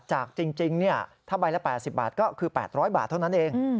จริงถ้าใบละ๘๐บาทก็คือ๘๐๐บาทเท่านั้นเอง